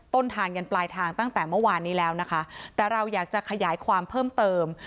ต้นทางยันปลายทางตั้งแต่เมื่อวานนี้แล้วนะคะแต่เราอยากจะขยายความเพิ่มเติม